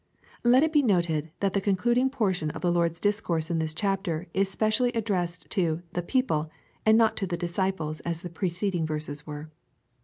] Let it be noted, that the concluding portion of the Lord's discourse in this chapter is specially ad dressed to " the people," and not to the disciples as the preceding verses were.